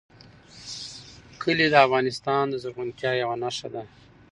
کلي د افغانستان د زرغونتیا یوه نښه ده.